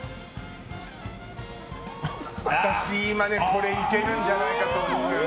私、これいけるんじゃないかと思うのよね。